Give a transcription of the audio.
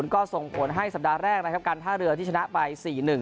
ก็ส่งผลให้สัปดาห์แรกนะครับการท่าเรือที่ชนะไป๔๑